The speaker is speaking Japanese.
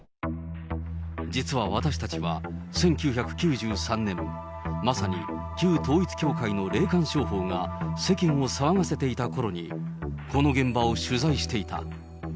実は私たちは、１９９３年、まさに旧統一教会の霊感商法が世間を騒がせていたころに、この現場を取材していた。